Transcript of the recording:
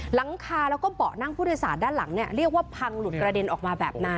หลังคาแล้วก็เบาะนั่งผู้โดยสารด้านหลังเนี่ยเรียกว่าพังหลุดกระเด็นออกมาแบบนั้น